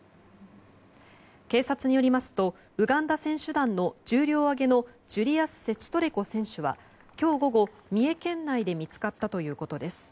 警察によりますとウガンダ選手団の重量挙げのジュリアス・セチトレコ選手は今日午後、三重県内で見つかったということです。